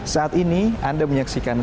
saat ini anda menyaksikan